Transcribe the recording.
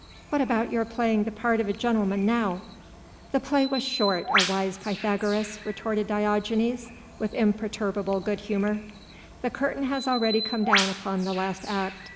what about your playing the part of a gentleman now?" "The play was short, O wise Pythagoras," retorted Diogenes with imperturbable good humour, "the curtain has already come down upon the last act.